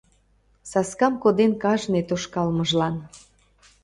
Саскам коден кажне тошкалмыжлан.